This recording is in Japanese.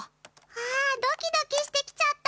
あドキドキしてきちゃった。